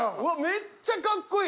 めっちゃカッコイイ。